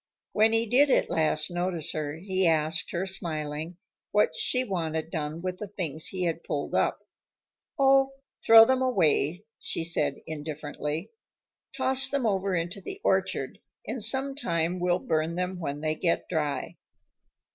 When he did at last notice her he asked her, smiling, what she wanted done with the things he had pulled up. "Oh, throw them away," she said indifferently. "Toss them over into the orchard, and sometime we'll burn them when they get dry."